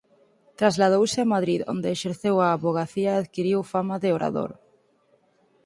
Trasladouse a Madrid onde exerceu a avogacía e adquiriu fama de orador.